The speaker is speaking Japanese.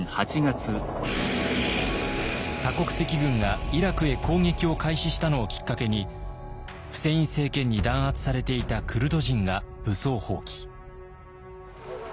多国籍軍がイラクへ攻撃を開始したのをきっかけにフセイン政権に弾圧されていたクルド人が武装蜂起。